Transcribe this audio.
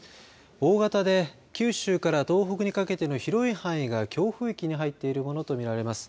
大型で、九州から東北にかけての広い範囲が強風域に入っているものと見られます。